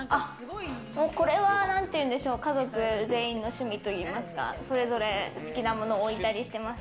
これは家族全員の趣味といいますか、それぞれ好きなものを置いたりしてます。